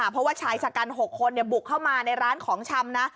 เพราะว่าชายชะกัน๖คนบุกเข้ามาในร้านของชำนะ